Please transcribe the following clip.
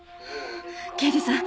刑事さん